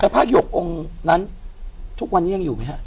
ผ้าหยกองค์นั้นทุกวันนี้ยังอยู่ไหมฮะ